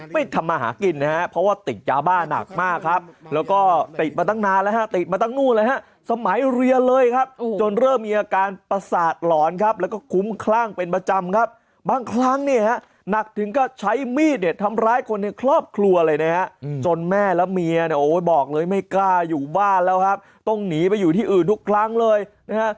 เบิร์ตลมเสียโอ้โหเบิร์ตลมเสียโอ้โหเบิร์ตลมเสียโอ้โหเบิร์ตลมเสียโอ้โหเบิร์ตลมเสียโอ้โหเบิร์ตลมเสียโอ้โหเบิร์ตลมเสียโอ้โหเบิร์ตลมเสียโอ้โหเบิร์ตลมเสียโอ้โหเบิร์ตลมเสียโอ้โหเบิร์ตลมเสียโอ้โหเบิร์ตลมเสียโอ้โหเบิร์ตลมเสียโอ้โหเบิร์ตลมเสียโอ